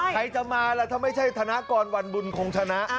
ใครจะมาล่ะถ้าไม่ใช่ธนากรวันบุญคงชนะ